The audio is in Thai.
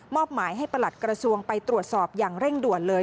หมายให้ประหลัดกระทรวงไปตรวจสอบอย่างเร่งด่วนเลย